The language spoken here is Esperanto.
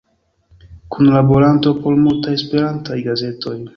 Kunlaboranto por multaj Esperantaj gazetoj.